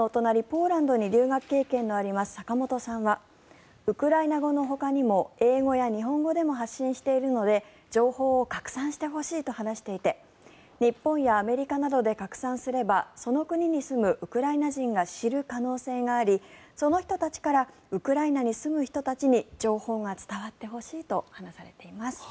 ポーランドに留学経験のある坂本さんはウクライナ語のほかにも英語や日本語でも発信しているので情報を拡散してほしいと話していて日本やアメリカなどで拡散すればその国に住むウクライナ人が知る可能性があり、その人たちからウクライナに住む人たちに情報が伝わってほしいと話されています。